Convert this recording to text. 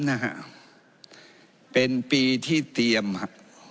๖๓นะค่ะเป็นปีที่เตรียมค่ะ